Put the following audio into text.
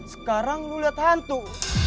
sekarang lo lihat hantu